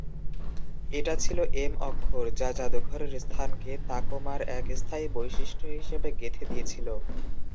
এটা ছিল এম অক্ষর, যা জাদুঘরের স্থানকে তাকোমার এক স্থায়ী বৈশিষ্ট্য হিসেবে গেঁথে দিয়েছিল।